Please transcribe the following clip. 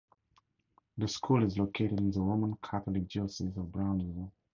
The school is located in the Roman Catholic Diocese of Brownsville.